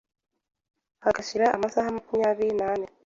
hagashira amasaha makumyabiri nane